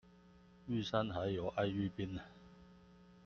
玉山還有愛玉冰